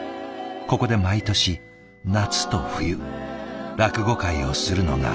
ここで毎年夏と冬落語会をするのが恒例。